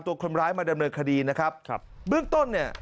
ตัวคนร้ายมาดำเนินคดีนะครับครับเบื้องต้นเนี่ย